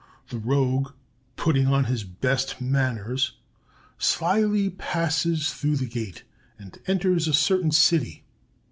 The rogue, putting on his best manners, slyly passes through the gate, and enters a certain city.